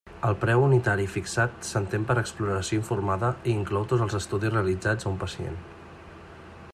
El preu unitari fixat s'entén per exploració informada i inclou tots els estudis realitzats a un pacient.